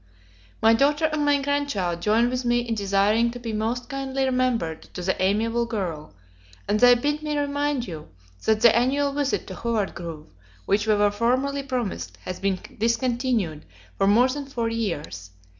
My daughter and my grandchild join with me in desiring to be most kindly remembered to the amiable girl; and they bid me remind you, that the annual visit to Howard Grove, which we were formerly promised, has been discontinued for more than four years.